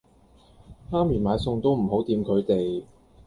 媽咪買餸都唔好掂佢哋